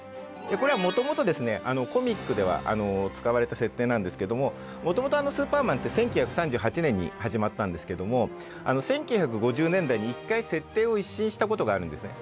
これはもともとコミックでは使われた設定なんですけどももともと「スーパーマン」って１９３８年に始まったんですけども１９５０年代に一回設定を一新したことがあるんですね。